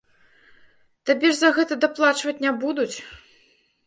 Табе ж за гэта даплачваць не будуць!